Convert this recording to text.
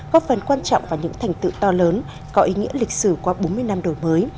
góp phần quan trọng vào những thành tựu to lớn có ý nghĩa lịch sử qua bốn mươi năm đổi mới